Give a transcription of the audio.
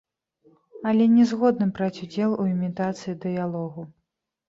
Але не згодны браць удзел у імітацыі дыялогу.